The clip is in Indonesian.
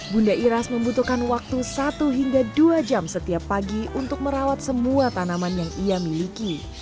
bunda iras membutuhkan waktu satu hingga dua jam setiap pagi untuk merawat semua tanaman yang ia miliki